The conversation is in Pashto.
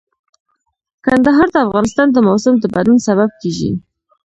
کندهار د افغانستان د موسم د بدلون سبب کېږي.